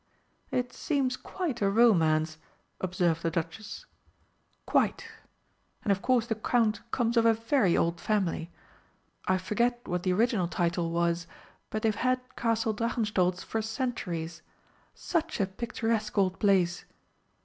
"It seems quite a romance," observed the Duchess. "Quite. And of course the Count comes of a very old family. I forget what the original title was, but they've had Castle Drachenstolz for centuries. Such a picturesque old place!